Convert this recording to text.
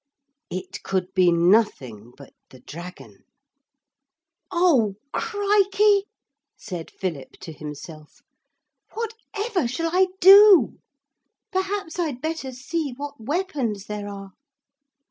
It could be nothing but the dragon. 'Oh, Crikey!' said Philip to himself; 'whatever shall I do? Perhaps I'd better see what weapons there are.'